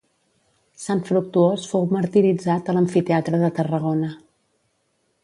Sant Fructuós fou martiritzat a l'amfiteatre de Tarragona.